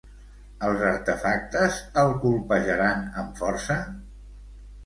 Els artefactes el colpejaren amb força?